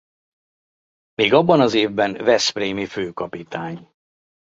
Még abban az évben veszprémi főkapitány.